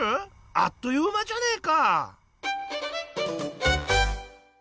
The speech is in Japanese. あっという間じゃねえか！